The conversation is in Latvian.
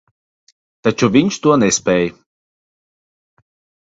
Taču viņš to nespēj.